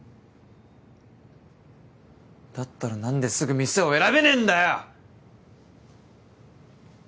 だったら何ですぐ店を選べねぇんだよ！